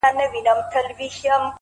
لكه ژړا!!